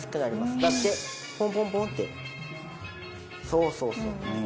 そうそうそう。